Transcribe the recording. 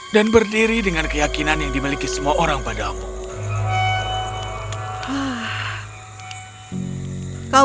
dan berdiri dengan keyakinan yang dimiliki semua orang padamu